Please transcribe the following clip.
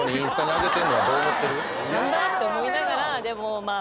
が。て思いながらでもまあ。